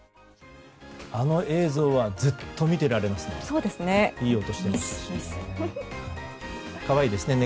あの映像はずっと見てられますね。